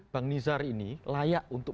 bang nizar ini layak untuk